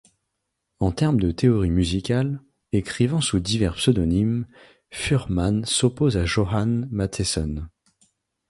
En termes de théorie musicale, écrivant sous divers pseudonymes, Fuhrmann s’oppose à Johann Mattheson.